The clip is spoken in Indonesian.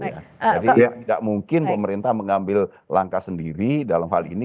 jadi tidak mungkin pemerintah mengambil langkah sendiri dalam hal ini